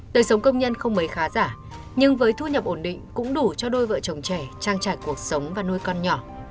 đời sống công nhân không mấy khá giả nhưng với thu nhập ổn định cũng đủ cho đôi vợ chồng trẻ trang trải cuộc sống và nuôi con nhỏ